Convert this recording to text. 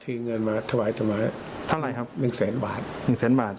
ทีเงินมาถวายเขา๑๐๐๐๐๐๐บาท